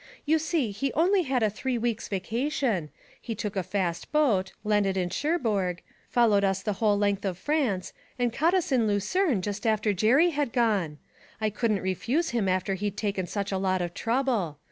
You see he only had a three weeks' vacation; he took a fast boat, landed at Cherbourg, followed us the whole length of France, and caught us in Lucerne just after Jerry had gone. I couldn't refuse him after he'd taken such a lot of trouble.